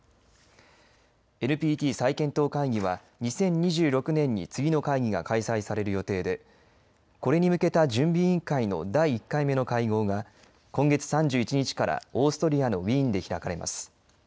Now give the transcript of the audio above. ＮＰＴ再検討会議は２０２６年に次の会議が開催される予定でこれに向けた準備委員会の第１回目の会合が今月３１日からオーストリアのウィーンで開かれます。